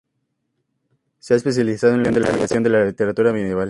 Se ha especializado en la investigación de la literatura medieval.